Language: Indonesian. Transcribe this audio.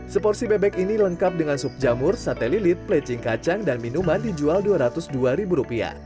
seporsi bebek ini lengkap dengan sup jamur sate lilit plecing kacang dan minuman dijual dua ratus dua ribu rupiah